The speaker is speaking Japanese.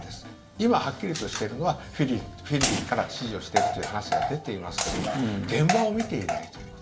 今、はっきりとしているのはフィリピンから指示をしているという話が出ていますけども現場を見ていないということ。